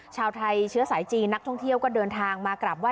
ชาวไทยเชื้อสายจีนนักท่องเที่ยวก็เดินทางมากราบไห้